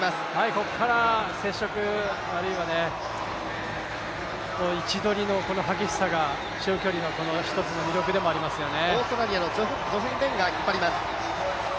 ここから接触、あるいは位置取りの激しさが中距離の１つの魅力でもありますよね。